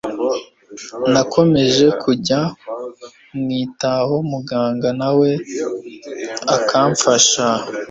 nakomeje kujya mwitaho muganga nawe akamfasha